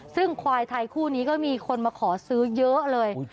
ซึ่งควายไทยคู่นี้ก็มีคนมาขอซื้อเยอะเลย